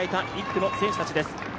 １区の選手たちです。